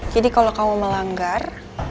jadi kalau kamu melanggar